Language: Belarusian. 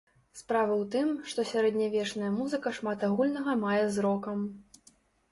Справа ў тым, што сярэднявечная музыка шмат агульнага мае з рокам.